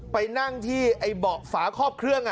ไปนั่งที่เกาะสาขอบเครื่อง